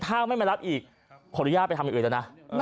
ถ้าไม่มารับอีกขออนุญาตไปทำอย่างอื่นแล้วนะ